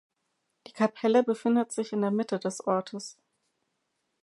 Die Kapelle befindet sich in der Mitte des Ortes.